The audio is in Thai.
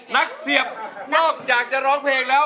เสียบนอกจากจะร้องเพลงแล้ว